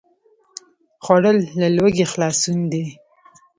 خوړل له لوږې خلاصون دی